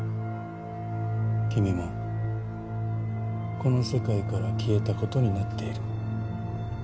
君もこの世界から消えたことになっている。